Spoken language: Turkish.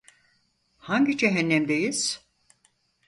Hangi cehennemdeyiz?